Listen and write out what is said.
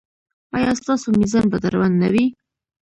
ایا ستاسو میزان به دروند نه وي؟